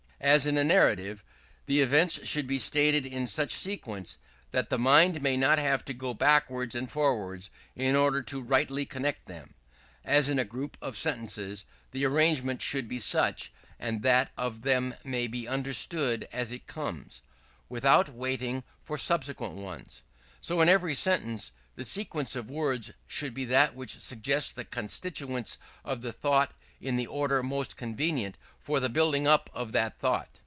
As in a narrative, the events should be stated in such sequence that the mind may not have to go backwards and forwards in order to rightly connect them; as in a group of sentences, the arrangement should be such, that each of them may be understood as it comes, without waiting for subsequent ones; so in every sentence, the sequence of words should be that which suggests the constituents of the thought in the order most convenient for the building up that thought.